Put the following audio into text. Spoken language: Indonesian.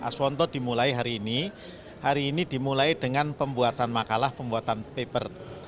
aswanto dimulai hari ini hari ini dimulai dengan pembuatan makalah pembuatan paper